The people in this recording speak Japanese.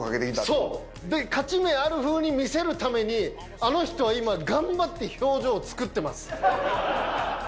そうで勝ち目あるふうに見せるためにあの人は今頑張って表情をつくってます。